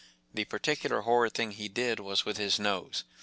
The par ticular horrid thing he did was with his nose.